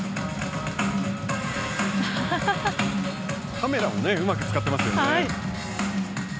カメラもうまく使ってます。